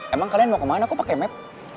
emang kalian mau kemana kok pake map